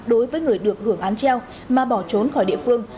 đối với người được hưởng án treo mà bỏ trốn khỏi địa phương